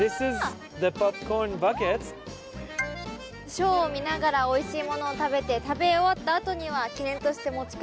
ショーを見ながらおいしい物を食べて食べ終わった後には記念として持ち帰れるんですね。